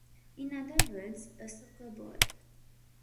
In other words, a soccer ball.